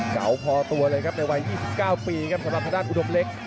เก่าพอตัวเลยครับในวัย๒๙ปีครับสำหรับทางด้านอุดมเล็ก